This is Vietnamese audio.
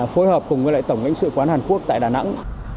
phối hợp cùng với lại tổng lãnh sự quán hàn quốc tại đà nẵng